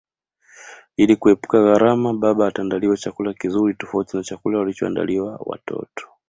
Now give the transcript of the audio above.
Ili kuepuka gharama baba ataandaliwa chakula kizuri tofauti na chakula walichoandaliwa watoto